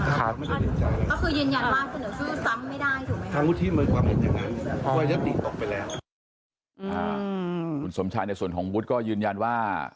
คุณสมชายในส่วนของวุฒิก็ยืนยันว่า